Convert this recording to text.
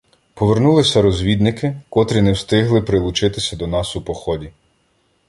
Повернулися розвідники, котрі не встигли прилучитися до нас у поході.